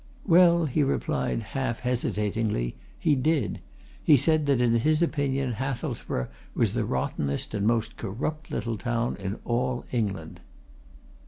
"Well," he replied half hesitatingly, "he did! He said that in his opinion Hathelsborough was the rottenest and most corrupt little town in all England!"